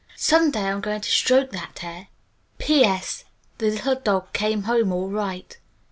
Some day I'm going to stroke that hair." (Yes!) "P. S. The Little Dog came home all right."